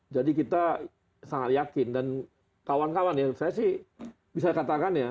jadi kita sangat yakin dan kawan kawan ya saya sih bisa katakan ya